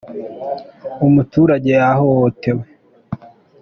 Umuturage yahohotewe.